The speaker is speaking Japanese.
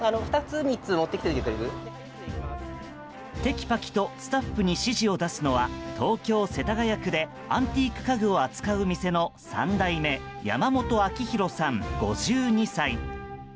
てきぱきとスタッフに指示を出すのは東京・世田谷区でアンティーク家具を扱う店の３代目・山本明弘さん、５２歳。